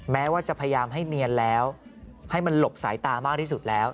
แม้ว่าจะพยายามให้เนียนแล้วให้มันหลบสายตามากที่สุดแล้ว